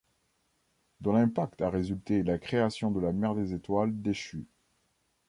De l'impact a résulté la création de la Mer des Étoiles Déchues.